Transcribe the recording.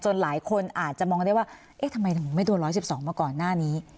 หลายคนอาจจะมองได้ว่าเอ๊ะทำไมถึงไม่โดน๑๑๒มาก่อนหน้านี้